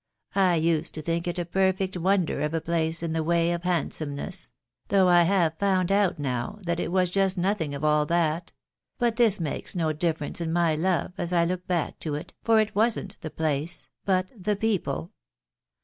I used then to think it a perfect wonder of a place in the way of handsomeness, — though I have found out now that it was just nothing of all that ; but this makes no difference in my love, as I look back to it, for it wasn't the place, but the people.